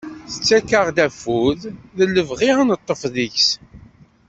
Tettak-aɣ-d afud, d lebɣi ad neṭṭef deg-s.